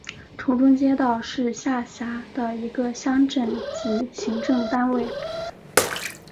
城中街道是下辖的一个乡镇级行政单位。